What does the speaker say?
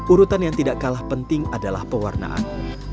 urutan yang tidak kalah penting adalah pewarnaan